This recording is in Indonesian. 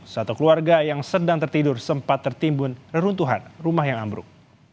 satu keluarga yang sedang tertidur sempat tertimbun reruntuhan rumah yang ambruk